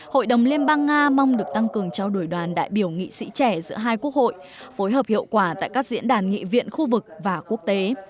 hội đồng liên bang nga mong được tăng cường trao đổi đoàn đại biểu nghị sĩ trẻ giữa hai quốc hội phối hợp hiệu quả tại các diễn đàn nghị viện khu vực và quốc tế